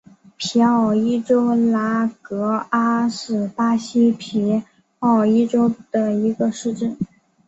皮奥伊州拉戈阿是巴西皮奥伊州的一个市镇。